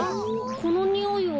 このにおいは。